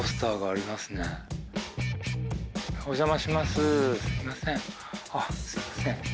あっすみません。